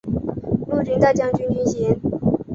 陆军大将军衔。